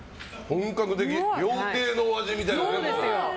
本格的、料亭の味みたい。